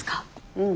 うん。